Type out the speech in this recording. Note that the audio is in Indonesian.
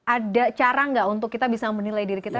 ada cara nggak untuk kita bisa menilai diri kita